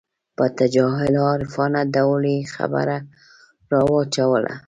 په تجاهل عارفانه ډول یې خبره راواچوله.